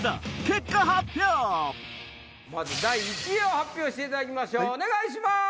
結果発表第１位発表していただきましょうお願いします。